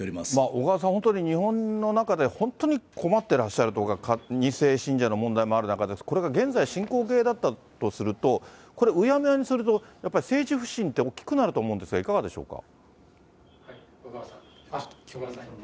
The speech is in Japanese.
小川さん、本当に日本の中で、本当に困ってらっしゃることは、２世信者の問題もある中で、これが現在進行形だったとすると、それうやむやにすると、政治不信って大きくなると思うんですが、いかがでしょうか。